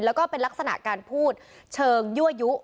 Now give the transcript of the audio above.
แล้วก็เป็นลักษณะการพูดเชิงยั่วยุ